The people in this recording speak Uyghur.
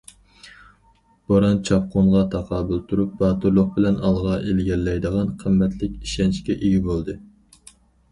بوران- چاپقۇنغا تاقابىل تۇرۇپ باتۇرلۇق بىلەن ئالغا ئىلگىرىلەيدىغان قىممەتلىك ئىشەنچكە ئىگە بولدى.